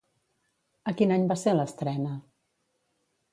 A quin any va ser l'estrena?